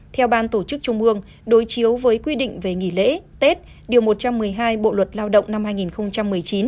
theo ban tổ chức trung ương đối chiếu với quy định về nghỉ lễ tết điều một trăm một mươi hai bộ luật lao động năm hai nghìn một mươi chín